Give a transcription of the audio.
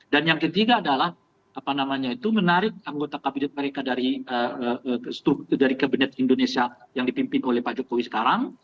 dan yang ketiga adalah menarik anggota kabinet mereka dari kabinet indonesia yang dipimpin oleh pak jokowi sekarang